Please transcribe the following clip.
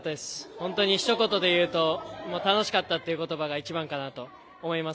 本当にひと言で言うと楽しかったという言葉が一番かなと思います。